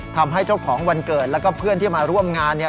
ทำให้เจ้าของวันเกิดและเพื่อนที่มาร่วมงาน